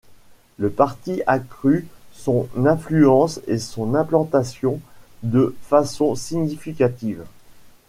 Le parti accrût son influence et son implantation de façon significative.